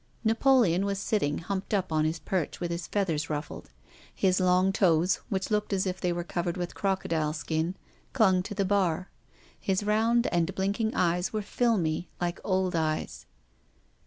Napoleon was sit ting humped up on his perch with his feathers ruffled. His long toes, which looked as if they were covered with crocodile skin, clung to the bar. His round and blinking eyes were filmy, like old eyes.